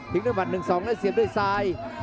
ด้วยหมัด๑๒แล้วเสียบด้วยซ้าย